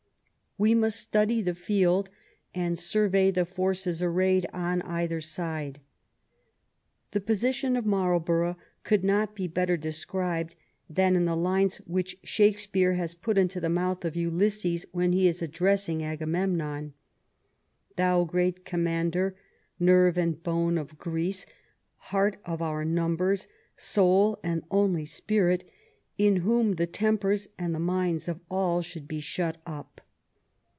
We must study the field and survey the forces arrayed on either side. The position of Marlborough could not be better de scribed than in the lines which Shakespeare has put into the mouth of Ulysses when he is addressing Agamemnon :" Thou great commander, nerre and bone of Greece, Heart of our numbers, soul and only spirit, In whom the tempers and the minds of all Should be shut up."